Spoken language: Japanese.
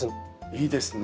いいですね